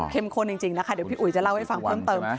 ข้นจริงนะคะเดี๋ยวพี่อุ๋ยจะเล่าให้ฟังเพิ่มเติม